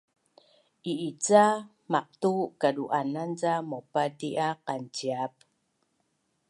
I’ica maqtu’ kadu’anan ca maupati’ a qanciap?